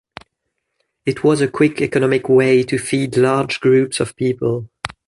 It was a quick economic way to feed large groups of people.